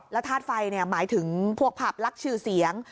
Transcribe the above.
แล้วธาตุไฟหมายถึงพวกผับลักษณ์ชื่อเสียง